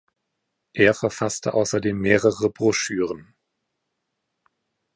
Er verfasste außerdem mehrere Broschüren.